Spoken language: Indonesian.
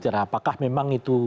apakah memang itu